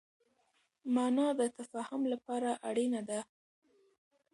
مانا د تفاهم لپاره اړينه ده.